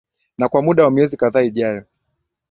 na kwa muda wa miezi kadhaa ijayo